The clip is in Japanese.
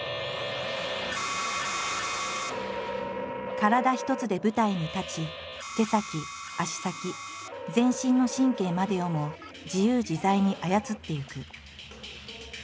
体一つで舞台に立ち手先足先全身の神経までをも自由自在に操っていく。